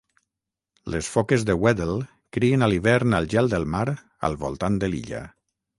Les foques de Weddell crien a l'hivern al gel del mar al voltant de l'illa.